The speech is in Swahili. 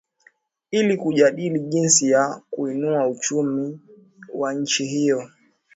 ili kudajili jinsi ya kuinua uchumi wa nchi hiyo